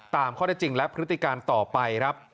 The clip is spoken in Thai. ตามข้อได้จริงและพฤติการต่อไป